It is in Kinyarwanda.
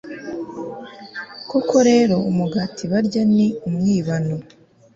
koko rero umugati barya ni umwibano